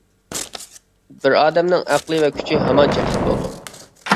بىر ئادەمنىڭ ئەقلى ۋە كۈچى ھامان چەكلىك بولىدۇ.